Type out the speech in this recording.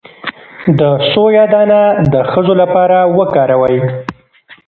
د سویا دانه د ښځو لپاره وکاروئ